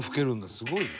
すごいな」